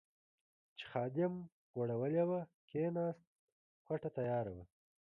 چې خادم غوړولې وه، کېناست، کوټه تیاره وه.